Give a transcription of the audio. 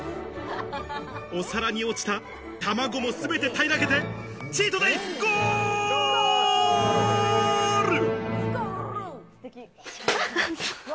お皿に落ちた卵もすべて平らげて、チートデイ、ゴール！